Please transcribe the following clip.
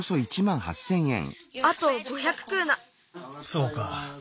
そうか。